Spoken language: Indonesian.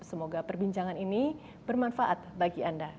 semoga perbincangan ini bermanfaat bagi anda